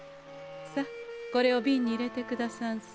さあこれをびんに入れてくださんせ。